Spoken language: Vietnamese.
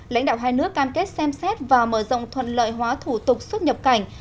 lãnh đạo hai nước cam kết xem xét và mở rộng thuận lợi hóa thủ tục xuất nhập cảnh